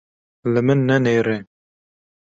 Li min nenihêre!